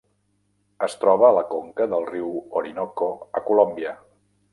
Es troba a la conca del riu Orinoco a Colòmbia.